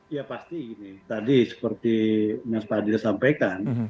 ya pasti tadi seperti mas padi sampaikan